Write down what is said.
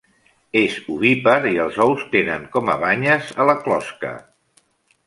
És ovípar i els ous tenen com a banyes a la closca.